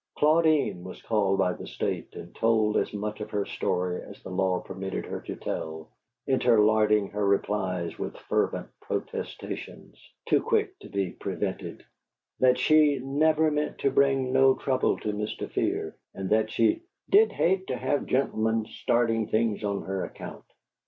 Claudine was called by the State, and told as much of her story as the law permitted her to tell, interlarding her replies with fervent protestations (too quick to be prevented) that she "never meant to bring no trouble to Mr. Fear" and that she "did hate to have gen'lemen starting things on her account."